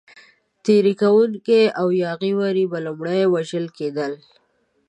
تېري کوونکي او یاغي وري به لومړی وژل کېدل.